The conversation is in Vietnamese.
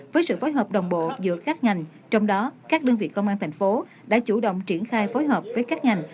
với sự phối hợp đồng bộ giữa các ngành trong đó các đơn vị công an thành phố đã chủ động triển khai phối hợp với các ngành